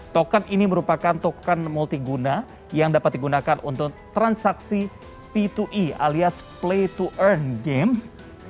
token ini merupakan token multiguna yang dapat digunakan untuk transaksi p dua e alias play to earn games